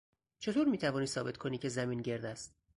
چطور میتوانی ثابت کنی که زمین گرد است؟